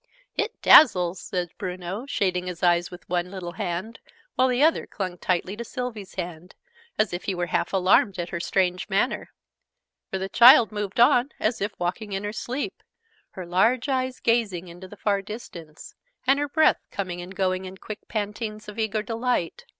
"It dazzles!" said Bruno, shading his eyes with one little hand, while the other clung tightly to Sylvie's hand, as if he were half alarmed at her strange manner. For the child moved on as if walking in her sleep, her large eyes gazing into the far distance, and her breath coming and going in quick pantings of eager delight.